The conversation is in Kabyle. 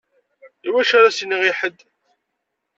Iwacu ara s-iniɣ i ḥedd?